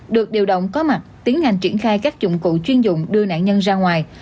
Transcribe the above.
được điều động có mặt tiến hành triển khai các dụng cụ chuyên dụng đưa nạn nhân ra ngoài